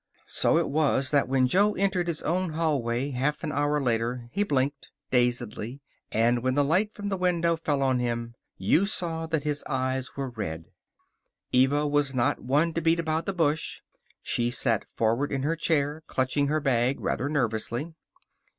So it was that when Jo entered his own hallway half an hour later he blinked, dazedly, and when the light from the window fell on him you saw that his eyes were red. Eva was not one to beat about the bush. She sat forward in her chair, clutching her bag rather nervously.